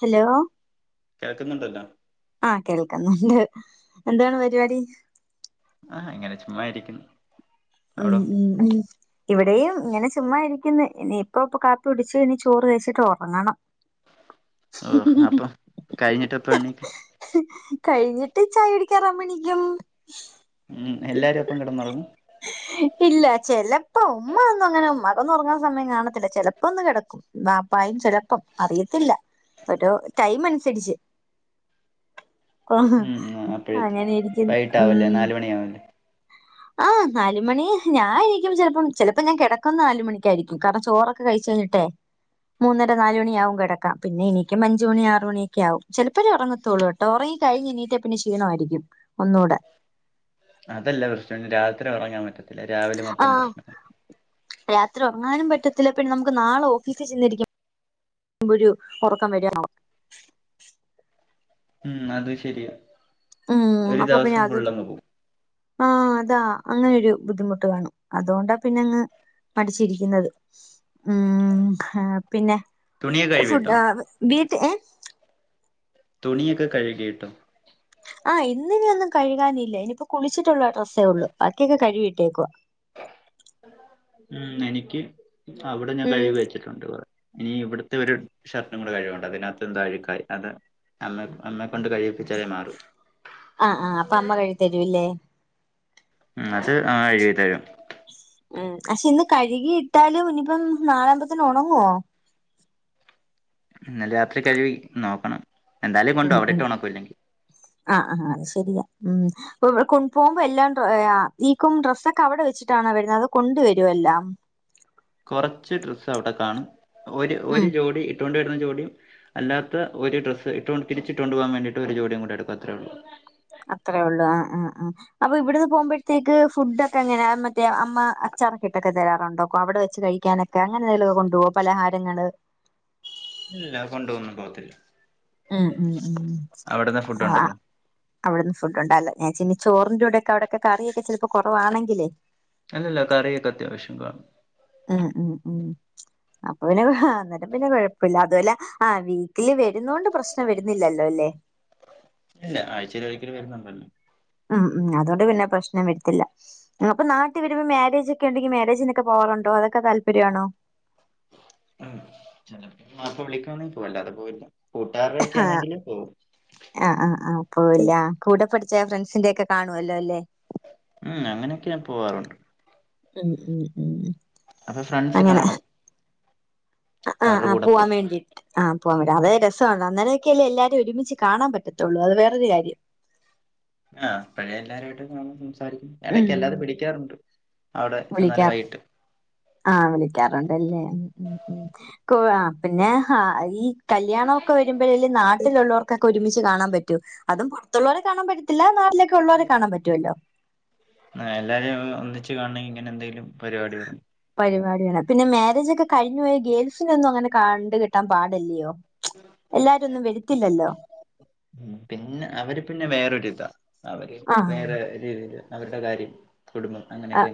Hello കേക്കുന്നുണ്ടല്ലോ? ആഹ് കേൾക്കുന്നുണ്ട് എന്താണ് പരിപാടി? ആഹ് ഇങ്ങനെ ചുമ്മായിരിക്കുന്നു ഉം ഉം ഉം ഇവിടെയും ഇങ്ങനെ ചുമ്മാ ഇരിക്കുന്നു ഇനി ഇപ്പ ഇപ്പ കാപ്പി പിടിച്ച് ഇനി ചോറ് കഴിച്ചിട്ട് ഒറങ്ങണം ആഹ് അപ്പം കഴിഞ്ഞിട്ട് എപ്പണിക്കും കഴിഞ്ഞിട്ട് ചായ കുടിക്കാൻ ആവുമ്പോ എണിക്കും ഉം എല്ലാരും ഒപ്പം കിടന്നുറങ്ങും ഇല്ല ചെലപ്പോ ഉമ്മ ഒന്നും അങ്ങനെ ഉമ്മ കൊന്നും ഒറങ്ങാൻ സമയം കാണത്തില്ല ചെലപ്പോ ഒന്ന് കിടക്കും ബാപ്പായും ചെലപ്പം അറിയത്തില്ല ഒരു ടൈം അനുസരിച്ച് ഉം അപ്പഴെത്തും അങ്ങനിരിക്കുന്ന് വൈകിട്ടാവല്ലേ ഉം [unintelligible] ആഹ് നാലുമണി ഞായിരിക്കും ചെലപ്പ ചെലപ്പോ ഞാൻ കിടക്കുന്ന നാലുമണിക്കായിരിക്കും കാരണം ചോറൊക്കെ കഴിച്ച് ട്ടെ മൂന്നര നാലുമണിയാവും കിടക്കാൻ പിന്നെ എനിക്കുമ്പോ അഞ്ചു മണി ആറ് മണിയൊക്കെ ആകും ചിലപ്പോ ഒറങ്ങത്തുള്ളൂ ഒറങ്ങി കഴിഞ്ഞ് എണീറ്റാ പിന്നെ ക്ഷീണമായിരിക്കും ഒന്നുടെ അതല്ല പ്രശ്നം ഇനി രാത്രി ഒറങ്ങാൻ പറ്റത്തില്ല രാവിലെ മൊത്തം ആഹ് പ്രശ്നാവും രാത്രി ഉറങ്ങാനും പറ്റത്തില്ല പിന്നെ നമുക്ക് നാളെ ഓഫീസിൽ ചെന്നിരിക്കും മുമ്പൊരു ഒറക്കം വരൂവാണൊ മ്മ്ഹ് അത് ശരിയാ ഉം ഒരു അപ്പൊ പിന്നെ ദിവസം അതൊരു ഫുള്ളങ്പോവും ആഹ് അതാ അങ്ങനെരു ബുദ്ധിമുട്ട് കാണും അതൊണ്ടാ പിന്നെ അങ്ങ് പഠിച്ചിരിക്കുന്നത് മ്മ്ഹ് പിന്നെ തുണിയൊക്കെ ഫുഡ് കഴുകിയിട്ടോ ആഹ് വീട്ടിൽ ഹേ തുണിയൊക്കെ കഴുകിയിട്ടൊ. ആഹ് ഇന്ന്ഇനി ഒന്നു കഴുകാനില്ലേ ഇനിയിപ്പൊ കുളിച്ചിട്ടുള്ള ഡ്രസ്സേ ഒള്ളൂ ബാക്കിയൊക്കെ കഴുകിട്ടേക്കുവ.. മ്മ്ഹ് എനിക്ക് അവടെ ഞാൻ ഉം കഴിവ് വെച്ച് വേറെഉണ്ട് കൊറേ ഇനിഇവിടത്തെ ഒരു ഷർട്ടു കൂടെ കഴികാണ്ട്. അതിനഅഹ്ത്ത് എ ന്താ അഴുക്കായി അത് അമ്മേഇപ്പം അമ്മെ കൊണ്ട് കയ് അഹ് ആഹ് അപ്പ അമ്മ കഴി തരുല്ലേ മ്ഹ് അത് ആ ഹ്കഴുകിതരും മ്മ്ഹ് പഷേ ഇന്ന് കഴുകിയിട്ടാലും ഇനിയിപ്പം നാളാവുമ്പത്തന് ഒണങ്ങോ ഇന്നലെ രാത്രി കഴുവി നോക്കണം എന്തായാലു ഉം കൊണ്ടവ ഉം അവിടെട്ട് ഒണകുല്ലെങ്കി ആഹ് അഹ് ശരിയാ മ്മ്ഹ് ഇപ്പൊ പോകുമ്പോ എല്ലാം ഈക്കും ഡ്രെസ്സൊക്കെ അവിടെ വെച്ചിട്ടാണോ വരുന്നേ അതൊ കൊണ്ട് വരു എല്ലാം കൊറച്ച് ഡ്രസ്സ് അവിടെ കാണും ഒരു ഒരു ഉം ജോഡി ഇട്ടൊണ്ട് വര്ന്ന ജോഡിം അല്ലാത്ത ഒരു ഡ്രസ്സ് ഇട്ട് തിരിച്ചിട്ടോണ്ട് പോവാൻ വേണ്ടിട്ട് ഒരു ജോഡികൂടിടുകു അത്രേള്ളൂ അത്രേ ഒള്ളൂ ആ ഹ്ആ ഹ്ആഹ് അപ്പൊ ഇവിടുന്ന് പോമ്പോഴത്തേക്ക് ഫുഡോക്കെങ്ങനെ മറ്റേ അമ്മ അച്ചാറോക്കെ ഇട്ടൊക്കെ തരാറുണ്ടോക്കോ അവിടെ വെച്ച് കഴിക്കാനൊ അങ്ങനെ എന്തെലുംകൊണ്ടോവോ പലഹാരങ്ങള് ഇല്ല ഇല്ല കൊണ്ട്ന്നു പോവത്തില്ല മ്മ്ഹ് മ്ഹ് ഫുഡ് ആഹ് അ ഉണ്ടല്ലോ അവിടുന്ന് ഫുഡ്ണ്ടല്ലോ ഞാൻച്ചി ചോറിൻന്റെടെയൊകെ അവിടക്ക കറിയക്കെ ചെലപ്പോ കൊറവാണെങ്കിലേ അല്ലല്ല കറിയൊക്കെ അത്യാവശ്യം കാണും മ്ഹ് മ്ഹ്ഹ് അപ്പൊ പിന്നെ കൊ ഹാ അന്നേരം പിന്നെ കൊഴപ്പില്ല അതുഅല്ലാ ആഹ് വീക്കിലി വരുന്നൊണ്ട് പ്രശ്നം വരുന്നില്ലല്ലോല്ലേ ഇല്ല ആഴ്ചഒരിക്കല് വരുന്നുണ്ടല്ലോ ആഹ് മ്മ്ഹ് അതൊണ്ട് പിന്നെ പ്രശ്നം വെര്ത്തില്ല അപ്പൊ നാട്ടി വരുമ്പോ മാരേജ് ക്കെണ്ടെങ്കി മാരേജിനൊക്കെ പോവാറുണ്ടോ അതൊക്ക താല്പര്യണോ മ്മ്ഹ് ചെലപ്പോ വാപ്പ വിളിക്കണെങ്കി പോവും അല്ലാതെ പോവില്ല കൂട്ടുരടെക്കെണെങ്കില് പോവും ആഹ്ആഹ്ആഹ് പോവുല്ലാ കൂടെ പഠിച്ച ഫ്രണ്ട്സിന്റെയൊക്കെ കാണുവല്ലോ അല്ലേ ഉം അങ്ങനെയൊക്കെ ഞാൻ പോവാറുണ്ട് മ്മ്ഹ് മ്മ്ഹ് മ്മ്ഹ് അപ്പൊ ഫ്രണ്ട്സ് കാണും ആഹ് അവരുടെ ആഹ് കൂടെ പുവാ പോകും വേണ്ടി ആഹ് പോവാൻ പറ്റും അത് രസണ് അങ്ങനെയൊക്കെല്ലേ എല്ലാരു ഒരുമച്ച് കാണ പറ്റത്തോള്ളൂ അത് വേറൊരു കാര്യം ആഹ് അപ്പഴേ എല്ലാവരുയിട്ടുകാണും സംസാരിക്കും ഉം എടകെല്ലാരും വിളിക്കാറുണ്ട് അവടെ വിളിക്കാറ് ചെന്നാല് വൈകിട്ട് ആഹ് വിളിക്കാറുണ്ടല്ലേ ഉം ഉം ഉം കൊ ആ ഹ് പിന്നെ ഹാരി കല്യാണൊക്കെ വരുമ്പോഴല്ലേ നാട്ടിലുള്ളോർക്കൊക്കെ ഒരുമിച്ച് കാണാൻ പറ്റു അതും പൊറത്തുള്ളോരെ കാണാൻ പറ്റത്തില്ല നാട്ടിലേക്കെള്ളരെ കാണാൻ പറ്റുവല്ലോ ആഹ്എല്ലാരുംഒ ഒന്നിച്ച് കാണെങ്കി ഇങ്ങനെന്തെലും പരിവാടി വരും പരിപാടിയാണ് പിന്നെ മാരേജ് ഒക്കെ കഴിഞ്ഞു പോയ ഗേൾസിനൊന്നും അങ്ങനെ കണ്ട് കിട്ടാൻ പാടല്ലിയോ എല്ലാരും ഒന്നും വെരുത്തില്ലല്ലോ ഉം പിന്നെ അവര് പിന്നെ വേറൊരിതാ അവര് ആഹ് വേറെ രീതീല് അവരുടെ കാര്യം കുടുംബം അങ്ങനെയൊക്കെ ആഹ്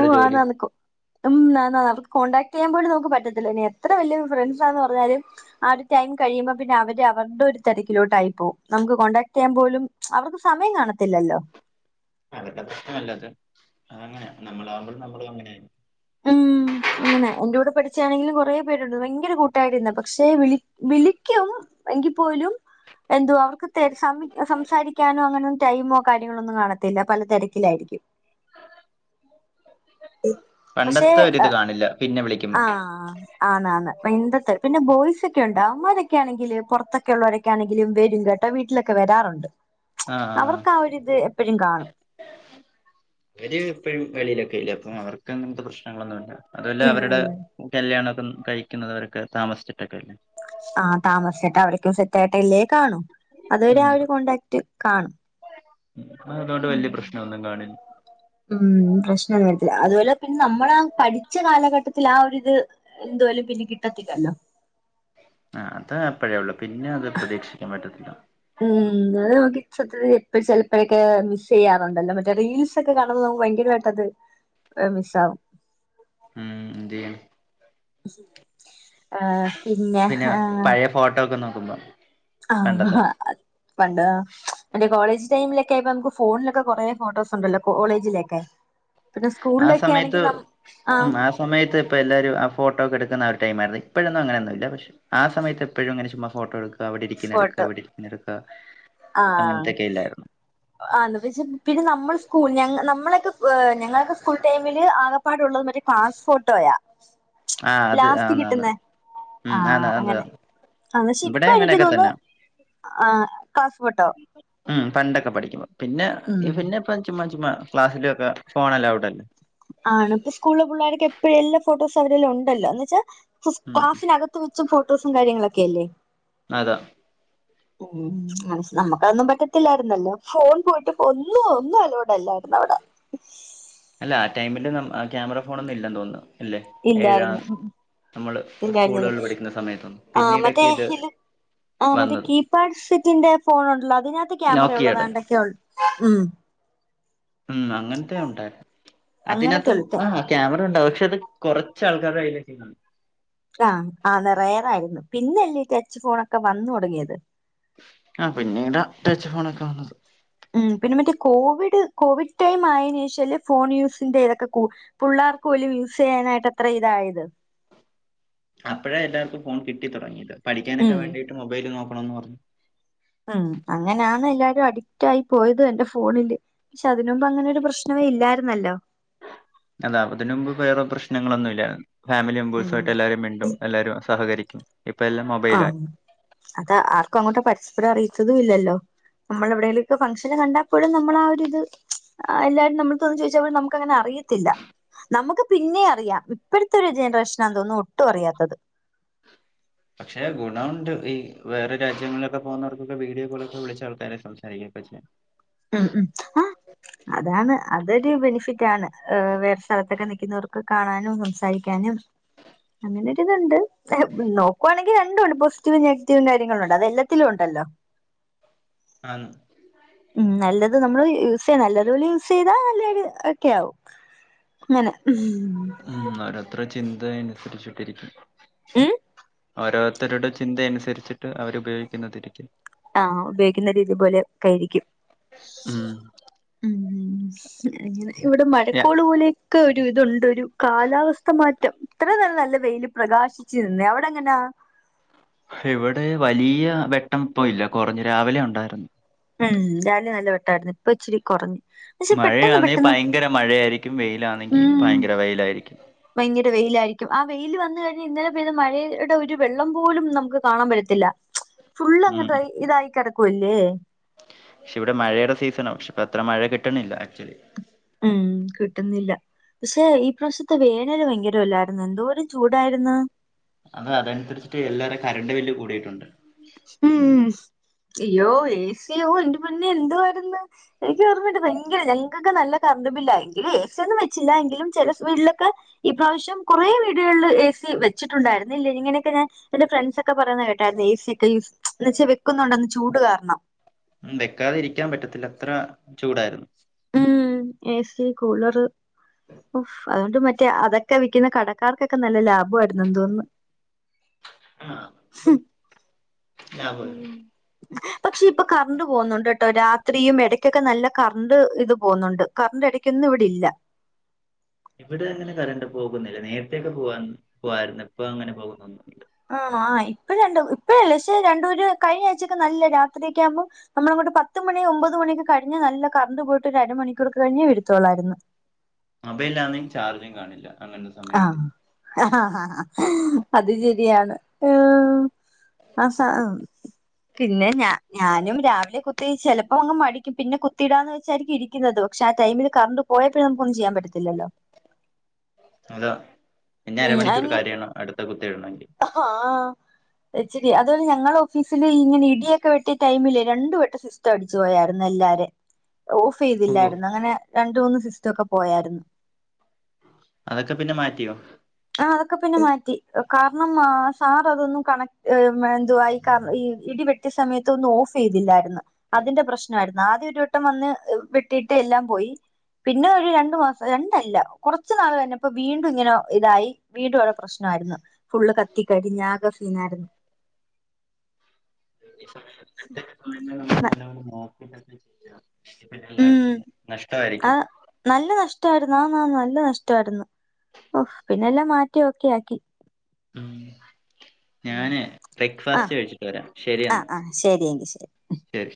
ഉം ജോലി. ആന്നാന്ന് കോ ഉം ആന്നാന്ന് അവർക്ക് കോണ്ടാക്ട് ചെയ്യാൻ പോലും നമുക്ക് പറ്റത്തില്ലാ ഇനി എത്ര വല്യ ഫ്രണ്ട്സാന്ന് പറഞ്ഞാലും ആ ഒരു ടൈം കഴിയുമ്പോ പിന്നെ അവര് അവര്ടെ ഒരു തെരക്കിലോട്ടായി പോവും നമുക്ക് കോണ്ടടാക്ട് ചെയ്യാൻ പോലും അവർക്ക് സമയം കാണത്തില്ലല്ലോ? അവരുടെ പ്രശ്നമല്ലത് അത് അങ്ങനാ നമ്മളാവുമ്പോഴും നമ്മളും അങ്ങനെയാരുന്നു. ഉം അങ്ങനെ എന്റെ കൂടെ പഠിച്ചാണെങ്കിലും കൊറെ പേരുണ്ട് ഭയങ്കര കൂട്ടായിരുന്നാ പക്ഷെ വിളി വിളിക്കും എങ്കി പോലും എന്തുവാ അവർക്ക് തെ സം സംസാരിക്കാനോ അങ്ങനൊന്നും ടൈമോ കാര്യങ്ങളോ ഒന്നും കാണത്തില്ലാ പല തെരക്കിലായിരിക്കും പക്ഷെ പണ്ടത്തെ ഒര് ഇത് കാണില്ല പിന്നെ വിളിക്കുമ്പം ആഹ് ആന്നാന്ന് [unintelligible] പിന്നെ ബോയ്സ് ഒക്കെ ഇണ്ട് അവന്മാരൊക്കെ ആണെങ്കില് പൊറത്തൊക്കെ ഒള്ളവരൊക് ക്കെയാണെങ്കിലും വെരും കേട്ടാ വീട്ടിലൊക്കെ വെരാറൊണ്ട് ആഹ് അവർക്ക് ആ ഒരിത് എപ്പഴും കാണും. അവര് എപ്പഴും വെളിയിലൊക്കെ അല്ലേ അപ്പൊ അവർക്ക് അങ്ങനത്തെ പ്രശ്നങ്ങളൊന്നുവില്ലാ. അതു അല്ലാ അവരുടെ ഉം കല്യാണൊക്കെ കഴിക്കുന്നത് അവരൊക്കെ താമസിച്ചിട്ടൊക്കെയല്ലേ. ആഹ് താമസിച്ചട്ട് അവരൊക്കെ സെറ്റായിട്ടല്ലേ കാണൂ അതുവരെ ആ ഒര് കോണ്ടാക്ട് കാണും. നമ്മള് അതുകൊണ്ട് വല്യ ഉം പ്രശ്നവൊന്നും കാണി ഉം പ്രശ്നൊന്നും വരത്തില്ലാ അതുപോലെ പിന്നെ നമ്മളാ പഠിച്ച കാലഘട്ടത്തിൽ ആ ഒരിത് എന്തുവേലും പിന്നെ കിട്ടത്തില്ലല്ലോ. ആഹ് അത് അപ്പഴേ ഉള്ളൂ പിന്നെ അത് പ്രതീക്ഷിക്കാൻ പറ്റത്തില്ലാ. ഉം അത് നമുക്ക് സത്യത്തി ചെലപ്പഴൊക്കെ മിസ്സ് ചെയ്യാറൊണ്ടല്ലോ മറ്റേ റീൽസ് ഒക്കെ കാണു അപ്പം നമ്മക്ക് ഭയങ്കരമായിട്ടത് ഏഹ് മിസ്സാവും. ഉം [unintelligible] [inaudible] ആഹ് പിന്നെ ആഹ് പഴയ ഫോട്ടോ ഒക്കെ നോക്കുമ്പോ. ആഹ് പണ്ടത്തെ അ പണ്ട് മറ്റേ കോളേജ് ടൈമിലൊക്ക ആയപ്പ നമ്മക്ക് ഫോണിലൊക്കെ കൊറെ ഫോട്ടോസ് ഉണ്ടല്ലോ കോളേജിലെയൊക്കെ പിന്നെ ആ സ്കൂളിലൊക്കെ സമയത്ത് ആണെങ്കി നമ്മക് ആഹ് ഉം ആ സമയത്ത് ഇപ്പ എല്ലാരും ആഹ് ഫോട്ടോ ഒക്കെ എടുക്കുന്ന ആ ഒരു ടൈമായിരുന്ന് ഇപ്പഴൊന്നും അങ്ങനെ ഒന്നും ഇല്ലാ പക്ഷെ ആ സമയത് എപ്പഴും അങ്ങനെ ചുമ്മാ ഫോട്ടോ എടു അവിടെ ഇരിക്കുന്ന എടുക്കാ ഫോട്ടോ ഇവിടെ ഇരിക്കുന്നെ എടുക്കാ അങ്ങനത്തെക്കെ ഇല്ലായിരുന്നു. ആഹ് [unintelligible] പിന്നെ നമ്മളെ സ്കൂളില് ഞങ്ങ് നമ്മളെയെക്കെ ഏഹ് ഞങ്ങളെയൊക്കെ സ്കൂൾ ടൈമില് ആകെ പ്പാടെ ഒള്ളെ മറ്റേ ക്ലാസ്സ് ഫോട്ടോയാ ആ അത് ലാസ്റ്റ് ആന്ന് ആന്ന് കിട്ടുന്നെ ഉം ആഹ് ആന്ന് ആഹ് അത് അങ്ങനെ അന്നാ ശരി ഇവിടെ ഇപ്പ എനിക്ക് അങ്ങനെയൊക്കെ തോനുന്നു തന്നെ ആഹ് ക്ലാസ്സ് ഫോട്ടോ ഉം പണ്ടൊക്കെ പഠിക്കുമ്പോ പിന്നെ ഉം പിന്നെ ഇപ്പ ചുമ്മാ ചുമ്മാ ക്ലാസ്സിലൊക്കെ ഫോൺ അലൗഡ് അല്ലേ ആണ് ഇപ്പോ സ്കൂളില് പിള്ളേരൊക്കെ എപ്പഴും എല്ലാ ഫോട്ടോസും അവരേല് ഒണ്ടല്ലോ എന്ന് വെച്ചാ ഉം ക്ലാസ്സിനകത്ത് ത്ത് വെച്ചും ഫോട്ടോസും കാര്യങ്ങളൊക്കെ അല്ലേ. അതാ ഉം മനസ് നമ്മക്കതൊന്നും പറ്റത്തില്ലായിരുന്നല്ലോ ഫോൺ പോയിട്ട് ഒന്നും ഒന്നും അലൗഡല്ലായിരുന്നു അവടെ [inaudible] അല്ലാ ആ ടൈമില് നമ് ആഹ് ക്യാമറ ഫോണൊന്നും ഇല്ലെന്ന് തോനുന്നു അല്ലേ ഏഴാം ഇല്ലായിരുന്നു നമ്മള് ഇല്ലായിരുന്നില്ല സ്കൂളുകളിൽ പഠിക്കുന്ന സമയത്തൊന്നും ആഹ് പിന്നീടൊക്കെ മറ്റേ ഇത് ആ മറ്റേ വന്നത് കീപാഡ് സെറ്റിന്റെ ഫോൺ ഉണ്ടല്ലോ അതിനകത്ത് ക്യാമറ ഉള്ളത് നോക്കിയേടെ വേണ്ടൊക്കെയ ഉള്ളൂ ഉം ഉം അങ്ങനത്തെ ഉണ്ടായി അങ്ങനത്തെ അതിനകത്തും ഉള്ളു ആഹ് ക്യാമറ ഉണ്ടാവും പക്ഷെ അത് കുറച്ച് ആൾക്കാരെ കൈകിടിനോളു ആഹ് ആ നിറയേറായിരുന്നു പിന്നല്ലീ ടച്ച് ഫോൺക്കെ വന്ന് കൊടുങ്ങിയത് ആ പിന്നീട് ടച്ച് ഫോണൊക്കെ വന്നത് ഉം പിന്നെ മറ്റേ കോവിഡ് കോവിഡ് ടൈം ആയന് ശേഷാല് ഫോൺ യൂസിന്റെ ഇതൊക്കെ കു പിള്ളേർക്ക് പോലും യൂസ് ചെയ്യാനായിട്ട് അത്ര ഇതായത് അപ്പോഴേ എല്ലാർക്കും ഫോൺ കിട്ടി തുടങ്ങിയത് പഠിക്കാനൊക്കെ ഉം വേണ്ടിയിട്ട് മൊബൈൽ നോക്കണന്ന് പറഞ്ഞു ഉം അങ്ങനെയാണ് എല്ലാരും അഡിക്റ്റ് ആയി പോയത് എന്റെ ഫോണില് പക്ഷെ അതിനുമ്പ് അങ്ങനെരു പ്രശ്നമേ ഇല്ലായിരുന്നല്ലോ. അതാ അതിന് മുമ്പ് വറെപ്രശ്നങ്ങളൊന്നും ഇല്ല ഫാമിലി മെമ്പേഴ്സ് ഉം ആയിട്ട് എല്ലാരും മിണ്ടും എല്ലാരും സഹകരിക്കും ഇപ്പൊ എല്ലാംമ അഹ് അത ആർക്കും അങ്ങോട്ട് പരസപ്പരം അറിയത്തതും ഇല്ലല്ലോ ന്നമ്മളെവിടേലൊക്കെ ഫംഗ്ഷന് കണ്ടപ്പോഴും ന്നമ്മള ആ ഒരിത് ആ എല്ലാരും ന്നമ്മൾത്ത് വന്ന് ചോദിച്ചാൽപോലും ന്നമ്മക്ക്ങ്ങനെ അറിയത്തില്ല ന്നമ്മക്ക് പിന്നെഅറിയാം ഇപ്പോഴത്തെ ഒരു ജനറേഷനാ തോന്നുന്നു ഒട്ടും അറിയാത്തത് പക്ഷെ ഗുണോണ്ട് ഈ വേറെ രാജ്യങ്ങളിലൊക്കെ പോകുന്നവർക്കൊക്കെ വീഡിയോ കോളൊക്കെ വിളിച്ചആൾക്കാരെ സംസാരിക്കുകയൊക്കെ ചെയ്യാം ഉം ഉം ആഹ് അതാണ് അതൊരു ബെനിഫിറ്റ് ആണ് വേറെ സ്ഥലത്തൊക്കെ നിൽക്കുന്നവർക്ക് കാണാനും സംസാരി ക്കാനും അങ്ങനൊരിഇതുണ്ട് നോക്കുവാണെങ്കി രണ്ടും ഉണ്ട് പോസിറ്റീവും നെഗറ്റീവും കാര്യങ്ങളും ഉണ്ട് അതെല്ലാത്തിലും ഉണ്ടല്ലോ ആണ് ഉം ന്നല്ലെത് ന്നമ്മള് യൂസെയ്യ ന്നല്ലതുപോലെ യൂസ് ചെയ്താ ന്നല്ലെ ഒക്കെആവും ഉം ഓരോത്രേ ചിന്ത അനുസരിച്ചിട്ടിരിക്കും ഉം ഓരോരുത്തരുടെ ചിന്തയനുസരിച്ചിട്ട് അവരുപയോഗിക്കുന്നതിരിക്കും ആഹ് ഉപയോഗിക്കുന്ന രീതി പോലെ ഒക്കയിരിക്കും ഉം ഉം അങ്ങനെ ഇവടെ യ- മഴക്കോള് പോലെയൊക്കെ ഒരു ഇതുണ്ട് ഒരു കാലാവസ്ഥ മാറ്റം ഇത്ര ന്നേരം ന്നല്ലെ വെയിലി പ്രകാശിച്ചുരുന്ന് അവടെ എങ്ങനാ ഹിവിടെ വലിയ വെട്ടം ഇപ്പൊ ഇല്ല കൊർഞ്ഞു രാവിലെ ഉണ്ടായിരുന്നു ഉം രാലും ന്നല്ലെ വെട്ടായിരുന്നു ഇപ്പ ഇച്ചിരി കൊർഞ് മഴയാണെ ഭയങ്കര മഴയായിരിക്കും വെയിലാണെങ്കി ഉം ഭയങ്കര വെയിലായിരിക്കും ഭയങ്കര വെയിലായിയിരിക്കും ആ വെയില് വന്നു കഴിഞ്ഞാൽ ഇന്നലെ പെയ്ത് മഴയുടെ ഒരു വെള്ളം പോലും ന്നമുക്ക് കാണാൻ പറ്റത്തില്ല ഫുള്ള് അങ്ങട്ട് ഇതായി കിടക്കുവല്ലേ ശെ ഇവടെ മഴയുടെ സീസണാ പക്ഷെ അത്ര മഴ കിട്ട്ണില്ല ആക്ച്വലി ഉം കിട്ടുന്നില്ല പക്ഷേ ഈ പ്രാവശ്യത്ത് വേനല് ഭയങ്കരല്ലായിരുന്നു എന്തോരും ചൂടായിര്ന്ന് അത് അതനുസരിച്ചിട്ട് എല്ലാരിം കരണ്ട് ബില്ല് കൂടിയിട്ടുണ്ട് ഉം അയ്യോ ഏ സി യോ എന്റെ പൊന്നെ എന്തുവായിരുന്ന് എനിക്ക് തോന്നുന്നുണ്ട് ഭയങ്കര ഞങ്ങക്കൊക്കെ ന്നല്ലെ കറണ്ട്ബില്ലായി എങ്കില് എ സി ഒന്നും വെച്ചില്ല എങ്കിലും ചെലെ വീട്ടിലൊക്കെ ഈ പ്രാവശ്യം കൊറെവീടുകള് എ സി വെച്ചിട്ടുണ്ടായിരുന്നുല്ലെ ഇങ്ങനെയൊക്കെ ഞാൻ എന്റെ ഫ്രണ്ട്സൊക്കെ പറയുന്നത് കേട്ടായിരുന്നു എ സി ഒക്ക യൂസ് എന്ന വെച്ചാ വെക്കുന്നൊണ്ട്ന്ന് ചൂട് കാരണം ഉം വെക്കാതെ ഇരിക്കാൻ പറ്റത്തില്ല അത്ര ചൂടായിരുന്നു ഉം ഏ സി കൂളറ് അതുകൊണ്ട് മറ്റേ അതൊക് ക്കെ വിക്കുന്ന കടക്കാർക്കൊക്കെ നല്ല ലാഭവയിരുന്നു എന്ന് തോന്നുന്നു ആഹ് പ് ആ ബോലോ ഉം. പക്ഷെ ഇപ്പൊ കർണ്ട് പോകുന്നുണ്ട് കേട്ടോ രാത്രിയും എടക്കൊക്കെ നല്ല കർണ്ട് ഇത് പോകുന്നുണ്ട് കറണ്ട് ഇടക്കൊന്നും ഇവിടെ ഇല്ല ഇവടെ അങ്ങനെ കര്ണ്ട് പോകുന്നില്ല നേരത്തൊക്കെ പോവാ പോവായിരുന്നു ഇപ്പ അങ്ങനെ പോകുന്നൊന്നുല്ല ഓഹ് ആഹ് ഇപ്പണ്ട് ഇപ്പഴല്ല പക്ഷെ രണ്ടൂര് കഴിഞ്ഞ ആഴ്ചൊക്കെ നല്ലെ രാത്രിയൊക്കെ ആകുമ്പോ ന്നമ്മളങ്ങോട്ട് പത്ത് മണി ഒമ്പത് മണി ഒക്കെ കഴിഞ്ഞ് നല്ല കരണ്ട് പോയിട്ട് ഒരര മണൂക്കൂർ കഴിഞ്ഞേ വെരെത്തോളായിരുന്നു മൊബൈലാണെ ചാർജും കാണില്ല അങ്ങനെ ആഹ് അത് ശെരിയാണ് അസ പിന്നെ ഞ ഞാനും രാവിലെ കു ത്തി ചിലപ്പോ അങ് മടിക്കും പിന്നെ കുത്തിയിടാന്ന് വെച്ചായിരിക്കും ഇരിക്കുന്നത് പക്ഷെ ആടൈമില് കർണ്ട് പോയപ്പോൾ ന്നമുക്ക് ഒന്നും ചെയ്യാൻ പറ്റത്തില്ലല്ലോ അതാ പിന്നെ ഉം അരമണിക്കൂർ അയിന് കരയണം അടുത്ത കുത്ത് ഇടണെങ്കി ആഹ് ഇച്ചിരി അതുപോലെ ഞങ്ങളെ ഓഫീസില് ഇങ്ങനെ ഇടിയൊക്കെ വെട്ടിയ ട്ടയ്മില് രണ്ടു വെട്ടസു സിസ്റ്റം അടിച്ചു പോയായിരുന്നു എല്ലാരെം ഓഫ് ഓ ചെയ്തില്ലായിരുന്നു അങ്ങനെ രണ്ട് മൂന്ന് സിസ്റ്റം ഒക്കെ പോയായിരുന്നു അതൊക്കെ പിന്നെ മാറ്റിയോ ആഹ് അതൊക്കെ പിന്നെ മാറ്റി കാരണം സാർ അതൊന്നും കണക് എന്തുവാ ഈ കർ ഈ ഇടിവെ ട്ടിയ സമയത്തൊന്നും ഓഫ് ചെയ്തില്ലായിരുന്നു അതിന്റെ പ്രശ്നമായിരുന്നു ആദ്യ ഒരു ട്ടം വന്ന് വെട്ടിട്ട് എല്ലാം പോയി പിന്നെ ഒരു രണ്ടു മാസം രണ്ടല്ല കുറച്ച നാള് കഴിഞ്ഞപ്പോ വീണ്ടും ഇങ്ങനെ ഇതായി വീണ്ടും അവിടെ പ്രശ്നമായിരുന്നു ഫുള്ള് കത്തിക്കരിഞ്ഞ് ആകെ സീനായിരുന്നു [inaudible] ചെയ്യ ഇല്ലെങ്കിൽ പിന്നെ എല്ലാം ഉം അടിച്ച് പോകും ആ നഷ്ടമായിരിക്കും നല്ല നഷ്ടമായിരുന്നു ആന്നാന്നു നല്ല നഷ്ടമായിരുന്നു പിന്നെല്ലാം മാറ്റി ഒക്കെ ആക്കി ഉം ഞാനേ ആ ബ്രേക്ക്ഫാസ്റ്റ് കഴിച്ചിട്ട് വരാം ആ ശരിയന്ന ആ ശരി എങ്കി ശരി ശരി